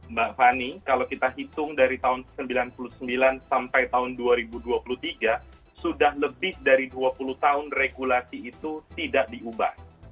mbak fani kalau kita hitung dari tahun seribu sembilan ratus sembilan puluh sembilan sampai tahun dua ribu dua puluh tiga sudah lebih dari dua puluh tahun regulasi itu tidak diubah